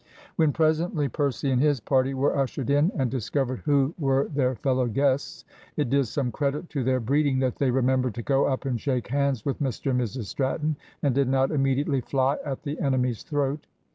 When presently Percy and his party were ushered in, and discovered who were their fellow guests, it did some credit to their breeding that they remembered to go up and shake hands with Mr and Mrs Stratton, and did not immediately fly at the enemy's throat.